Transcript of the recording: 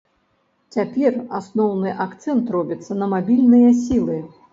Цяпер асноўны акцэнт робіцца на мабільныя сілы.